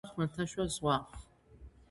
ასევე ესაზღვრება ხმელთაშუა ზღვა.